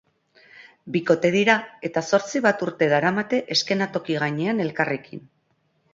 Bikote dira eta zortzi bat urte daramate eskenatoki gainean elkarrekin.